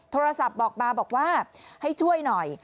โทรศัพท์บอกมาบอกว่าให้ช่วยหน่อย